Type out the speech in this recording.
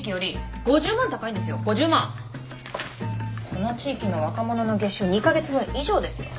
この地域の若者の月収２カ月分以上ですよ。